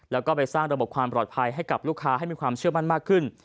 แล้วก็ไปสร้างระบบความปลอดภัยให้กับลูกค้าให้มีความเชื่อมั่นมากขึ้น